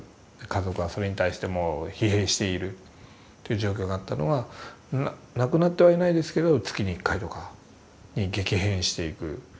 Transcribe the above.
家族がそれに対してもう疲弊しているという状況があったのがなくなってはいないですけど月に１回とかに激変していく。